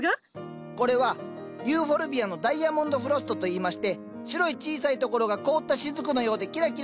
これはユーフォルビアのダイアモンド・フロストといいまして白い小さいところが凍った滴のようでキラキラ。